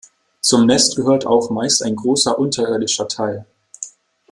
Zum Nest gehört auch meist ein großer unterirdischer Teil.